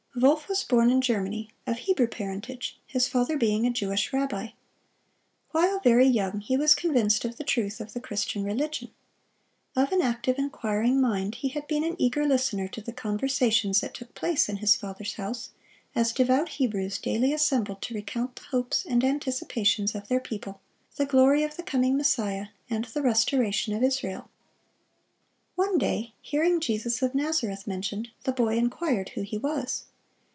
Wolff was born in Germany, of Hebrew parentage, his father being a Jewish rabbi. While very young, he was convinced of the truth of the Christian religion. Of an active, inquiring mind, he had been an eager listener to the conversations that took place in his father's house, as devout Hebrews daily assembled to recount the hopes and anticipations of their people, the glory of the coming Messiah, and the restoration of Israel. One day hearing Jesus of Nazareth mentioned, the boy inquired who He was.